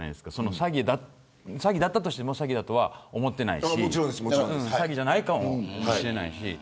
詐欺だったとしても詐欺だとは思っていないし詐欺じゃないかもしれないし。